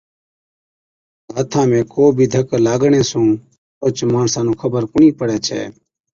تہ هٿا ۾ ڪو بِي ڌڪ لاگڻي سُون اوهچ ماڻسا نُون خبر ڪونهِي پڙَي ڇَي۔